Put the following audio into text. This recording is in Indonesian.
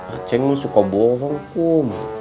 aceh suka bohong kum